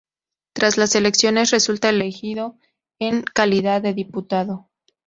Tras las elecciones, resulta elegido en calidad de diputado.